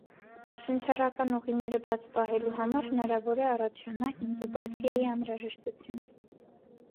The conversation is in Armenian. Շնչառական ուղիները բաց պահելու համար հնարավոր է առաջանա ինտուբացիայի անհրաժեշտություն։